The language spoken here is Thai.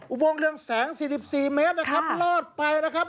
อุโมงเรืองแสง๔๔เมตรนะครับลอดไปนะครับ